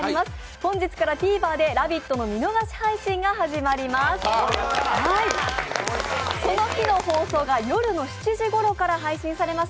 本日からＴＶｅｒで「ラヴィット！」の見逃し配信が始まります。